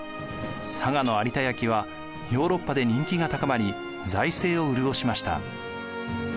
佐賀の有田焼はヨーロッパで人気が高まり財政を潤しました。